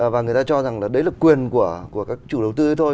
và người ta cho rằng là đấy là quyền của các chủ đầu tư thôi